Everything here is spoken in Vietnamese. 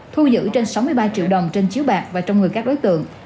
thu giữ trên sáu mươi ba triệu đồng trên chiếu bạc và trong người các đối tượng